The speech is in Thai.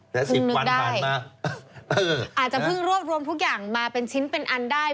เพิ่งนึกได้อาจจะเพิ่งรวบรวมทุกอย่างมาเป็นชิ้นเป็นอันได้